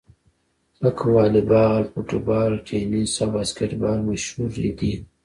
لکه واليبال، فوټبال، ټېنیس او باسکیټبال مشهورې دي.